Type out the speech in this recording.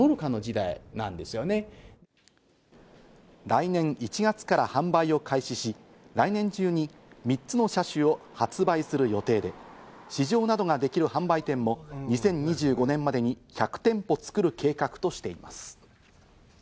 来年１月から販売を開始し、来年中に３つの車種を発売する予定で、試乗などができる販売店も２０２５年までに１００店舗作る計画としています。